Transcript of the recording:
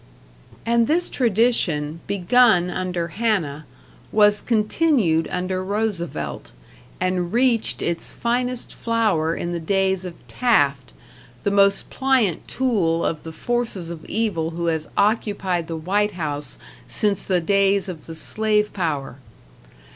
And this tradition, begun under Hanna, was continued under Roosevelt, and reached its finest flower in the days of Taft, the most pliant tool of the forces of evil who has occupied the White House since the days of the Slave Power.